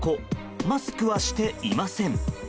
マスクはしていません。